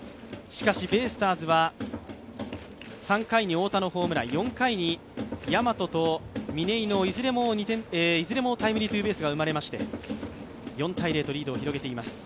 しかし、ベイスターズは３回に大田のホームラン、４回に大和と嶺井のいずれもタイムリーツーベースが生まれまして４−０とリードを広げています。